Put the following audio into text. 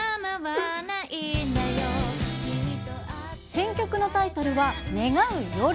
新曲のタイトルは、ねがう夜。